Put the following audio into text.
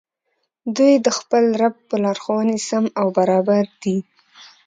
دوى د خپل رب په لارښووني سم او برابر دي